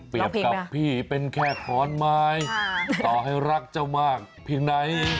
กับพี่เป็นแค่ขอนไม้ต่อให้รักเจ้ามากเพียงไหน